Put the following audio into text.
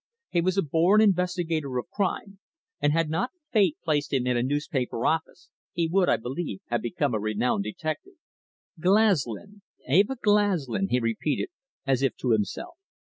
He was a born investigator of crime, and had not Fate placed him in a newspaper office, he would, I believe, have become a renowned detective. "Glaslyn? Eva Glaslyn?" he repeated, as if to himself.